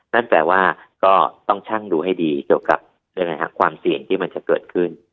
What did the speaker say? นั่นแปลว่าก็ต้องช่างดูให้ดีเกี่ยวกับเรื่องความเสี่ยงที่มันจะเกิดขึ้น